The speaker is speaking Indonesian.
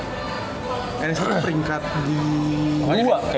menjanjikan kayak enesa nih gue rasa